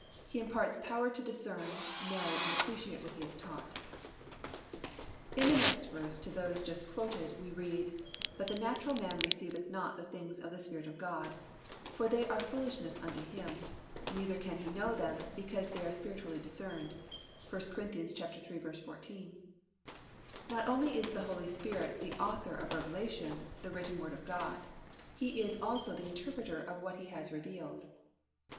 He imparts power to discern, know and appreciate what He has taught._ In the next verse to those just quoted we read, "But the natural man receiveth not the things of the Spirit of God: for they are foolishness unto him: neither can he know them, because they are spiritually discerned" (1 Cor. iii. 14). Not only is the Holy Spirit the Author of revelation, the written Word of God: He is also the Interpreter of what He has revealed.